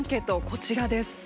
こちらです。